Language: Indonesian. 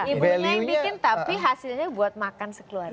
ibunya yang bikin tapi hasilnya buat makan sekeluarga